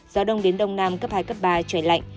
gió đông đến đông nam cấp hai cấp ba trời lạnh